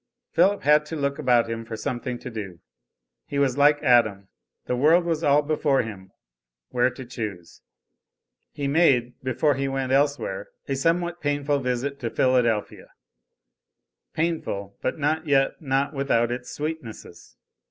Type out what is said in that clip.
Philip had to look about him for something to do; he was like Adam; the world was all before him whereto choose. He made, before he went elsewhere, a somewhat painful visit to Philadelphia, painful but yet not without its sweetnesses.